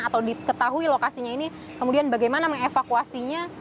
atau diketahui lokasinya ini kemudian bagaimana mengevakuasinya